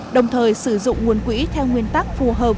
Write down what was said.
đồng thời sử dụng nguồn quỹ theo nguyên tắc phù hợp